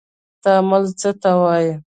تعامل څه ته وايي.